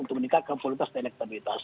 untuk meningkatkan kualitas dan elektabilitas